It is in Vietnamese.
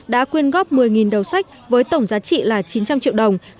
đã quyên góp một mươi đầu sách với tổng giá trị là chín trăm linh triệu đồng